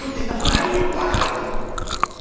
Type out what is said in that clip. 何をバカなことを！